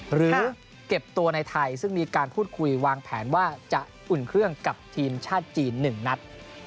หรือเก็บตัวในไทยซึ่งมีการพูดคุยวางแผนว่าจะอุ่นเครื่องกับทีมชาติจีน๑นัด